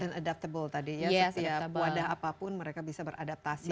dan adaptable tadi ya setiap wadah apapun mereka bisa beradaptasi